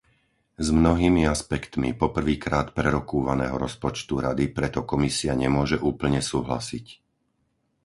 S mnohými aspektmi po prvýkrát prerokúvaného rozpočtu Rady preto Komisia nemôže úplne súhlasiť.